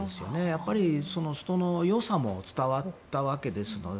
やっぱり人のよさも伝わったわけですので。